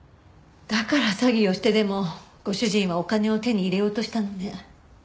だから詐欺をしてでもご主人はお金を手に入れようとしたのね。